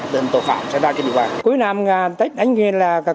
để từ đó ngăn chặn tình tội phạm xảy ra trên địa bàn